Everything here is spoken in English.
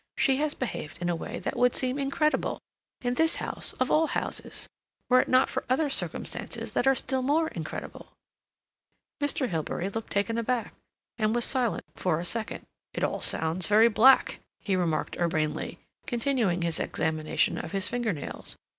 She has behaved in a way that would have seemed incredible—in this house of all houses—were it not for other circumstances that are still more incredible." Mr. Hilbery looked taken aback, and was silent for a second. "It all sounds very black," he remarked urbanely, continuing his examination of his finger nails.